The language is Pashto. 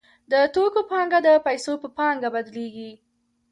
د توکو پانګه د پیسو په پانګه بدلېږي